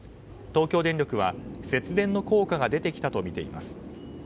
東京電力は節電の効果が出てきたとみています。